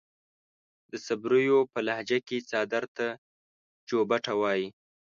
د صبريو پۀ لهجه کې څادر ته جوبټه وايي.